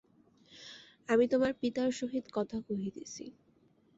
আমি তোমার পিতার সহিত কথা কহিতেছি।